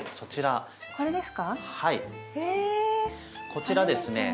こちらですね